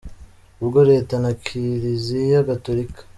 ubwo leta na Kiliziya Gatolika